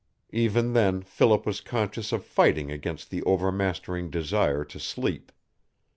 Even then Philip was conscious of fighting against the overmastering desire to sleep.